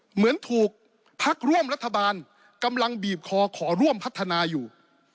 เหมือนถูกพักร่วมรัฐบาลกำลังบีบคอขอร่วมพัฒนาอยู่